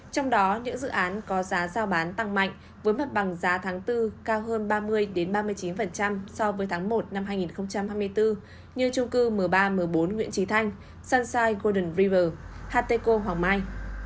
trong đó những dự án có giá giao bán tăng mạnh với mặt bằng giá tháng bốn cao hơn ba mươi ba mươi chín so với tháng một năm hai nghìn hai mươi bốn như trung cư m ba m bốn nguyễn trí thanh sunshine golden river hateco hoàng mai